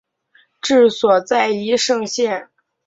治所在宜盛县。